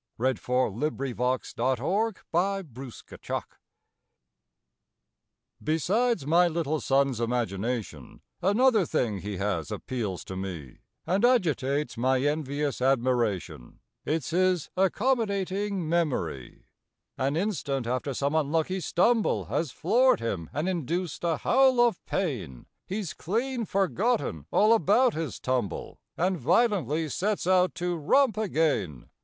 HIS MEMORY Besides my little son's imagination, Another thing he has appeals to me And agitates my envious admiration It's his accommodating memory. An instant after some unlucky stumble Has floored him and induced a howl of pain, He's clean forgotten all about his tumble And violently sets out to romp again.